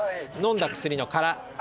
飲んだ薬の殻